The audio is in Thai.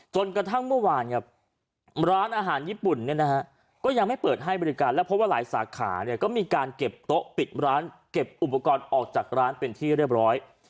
จนกระทั่งเมื่อวานครับร้านอาหารญี่ปุ่นเนี่ยนะฮะก็ยังไม่เปิดให้บริการแล้วเพราะว่าหลายสาขาเนี่ยก็มีการเก็บโต๊ะปิดร้านเก็บอุปกรณ์ออกจากร้านเป็นที่เรียบร้อย